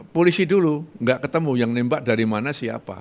polisi dulu nggak ketemu yang nembak dari mana siapa